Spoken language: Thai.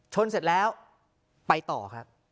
เสร็จแล้วไปต่อครับ